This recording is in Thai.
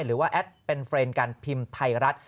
หรือว่าแอดเป็นเฟรนกันพิมพ์ไทยรัฐ